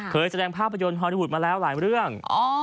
แสดงภาพยนตร์ฮอลลีวูดมาแล้วหลายเรื่อง